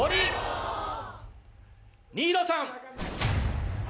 新納さん。